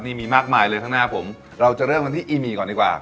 นี่มีมากมายเลยข้างหน้าผมเราจะเริ่มกันที่อีหมี่ก่อนดีกว่า